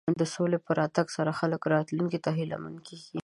د سولې په راتګ سره خلک راتلونکي ته هیله مند کېږي.